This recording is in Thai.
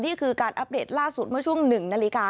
นี่คือการอัปเดตล่าสุดเมื่อช่วง๑นาฬิกา